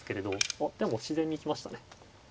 あっでも自然に行きましたね。